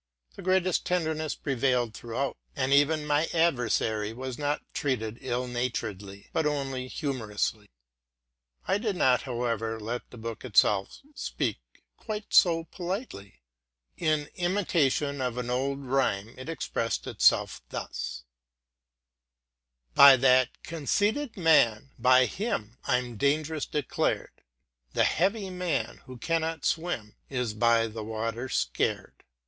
The greatest tenderness prevailed throughout ; and even my adver sary was not treated ill naturedly, but only humorously. I did not, however, let the book itself speak quite so politely : in imitation of an old rhyme it expressed itself thus :— "By that conceited man — by him I'm dangerous proclaimed ; The wight uncouth, who cannot swim, By him the water's blamed.